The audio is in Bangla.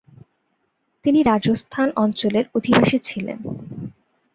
তিনি রাজস্থান অঞ্চলের অধিবাসী ছিলেন।